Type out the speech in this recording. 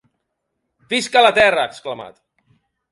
Visca la terra, ha exclamat.